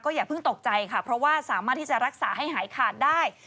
อย่าเพิ่งตกใจค่ะเพราะว่าสามารถที่จะรักษาให้หายขาดได้